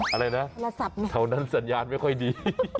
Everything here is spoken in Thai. อะไรนะแถวนั้นสัญญาณไม่ค่อยดี